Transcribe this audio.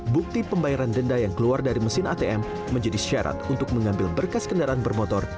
bukti pembayaran denda yang keluar dari mesin atm menjadi syarat untuk mengambil berkas kendaraan bermotor